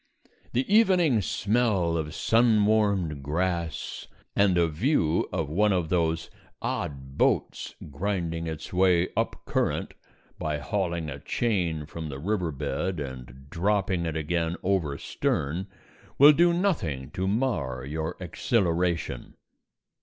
The evening smell of sun warmed grass and a view of one of those odd boats grinding its way up current by hauling a chain from the river bed and dropping it again over stern will do nothing to mar your exhilaration.